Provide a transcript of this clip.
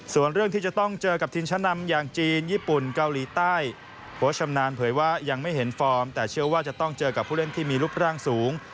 ส่วนเรื่องที่จะต้องเจอกับทีมชั้นนำอย่างจีนญี่ปุ่นเกาหลีใต้โพสต์ชำนาญเผยว่ายังไม่เห็นฟอร์มแต่เชื่อว่าจะต้องเจอกับผู้เล่นที่มีรูปร่างสูง